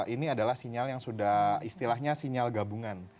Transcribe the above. ini adalah sinyal yang sudah istilahnya sinyal gabungan